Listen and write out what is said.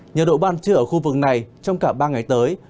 nhiệt độ ban trưa ở khu vực này trong cả ba ngày tới